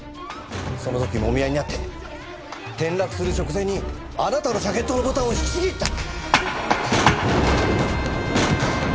その時もみ合いになって転落する直前にあなたのジャケットのボタンを引きちぎった。